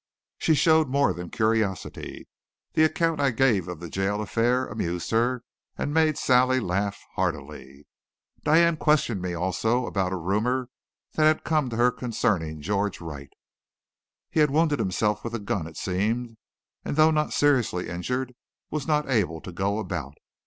She showed more than curiosity. The account I gave of the jail affair amused her and made Sally laugh heartily. Diane questioned me also about a rumor that had come to her concerning George Wright. He had wounded himself with a gun, it seemed, and though not seriously injured, was not able to go about.